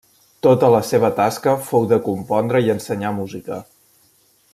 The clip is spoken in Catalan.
Tota la seva tasca fou de compondre i ensenyar música.